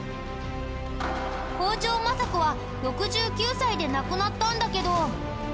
北条政子は６９歳で亡くなったんだけど。